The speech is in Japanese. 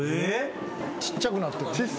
ちっちゃくなってる。